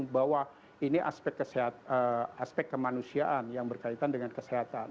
bahwa ini aspek kemanusiaan yang berkaitan dengan kesehatan